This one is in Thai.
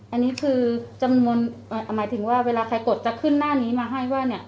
อันนี้คือจำนวนหมายถึงว่าเวลาใครกดจะขึ้นหน้านี้มาให้ว่าเนี่ย